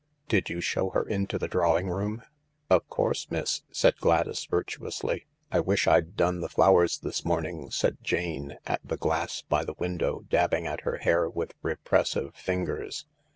" Did you show her into the drawing room ?"" Of course, miss," said Gladys virtuously. " I wish I'd done the flowers this morning," said Jane, at the glass by the window, dabbing at her hair with repressive fingers.